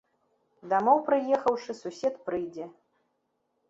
Дамоў прыехаўшы, сусед прыйдзе.